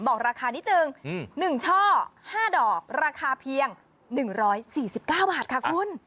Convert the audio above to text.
บอกราคานิดนึง๑ช่อ๕ดอกราคาเพียง๑๔๙บาทค่ะคุณ